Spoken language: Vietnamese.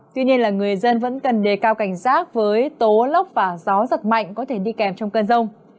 tuy nhiên là người dân vẫn cần đề cao cảnh giác với tố lốc và gió giật mạnh có thể đi kèm trong cơn rông